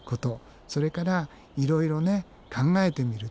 それからいろいろ考えてみるっていうこと。